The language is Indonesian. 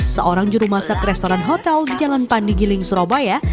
seorang jurumasak restoran hotel di jalan pandigiling surabaya